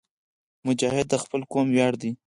مجاهد د خپل قوم ویاړ دی.